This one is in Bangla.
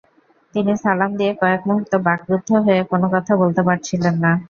তিনি সালাম দিয়ে কয়েক মুহূর্ত বাকরুদ্ধ হয়ে কোনো কথা বলতে পারছিলেন না।